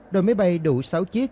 đội máy bay đủ sáu chiếc